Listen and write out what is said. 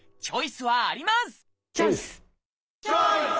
チョイス！